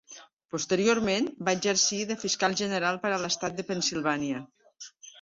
Posteriorment va exercir de fiscal general per a l'estat de Pennsilvània.